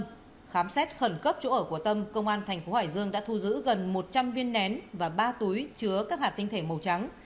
trong khi khám xét khẩn cấp chỗ ở của tâm công an thành phố hải dương đã thu giữ gần một trăm linh viên nén và ba túi chứa các hạt tinh thể màu trắng